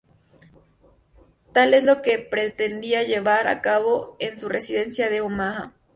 Tal es lo que pretendía llevar a cabo en su residencia de Omaha.